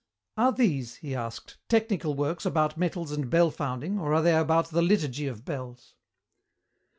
"Are these," he asked, "technical works about metals and bell founding or are they about the liturgy of bells?"